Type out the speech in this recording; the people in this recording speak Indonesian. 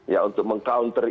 ya untuk meng counter